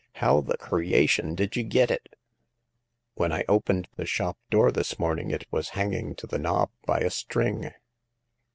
" How the creation did you git it ?"" When I opened the shop door this morning, it was hanging to the knob by a string."